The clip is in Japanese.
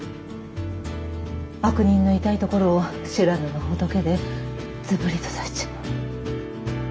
悪人の痛いところを知らぬが仏でズブリと刺しちまう。